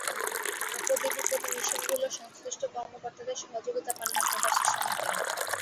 আপদে বিপদে মিশনগুলোর সংশ্লিষ্ট কর্মকর্তাদের সহযোগিতা পান না প্রবাসী শ্রমিকেরা।